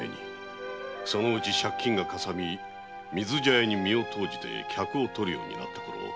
そのうち借金がかさみ水茶屋に身を投じて客を取るようになったころ